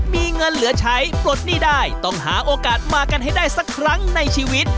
มีเงินเหลือใช้ปลดหนี้ได้ต้องหาโอกาสมากันให้ได้สักครั้งในชีวิต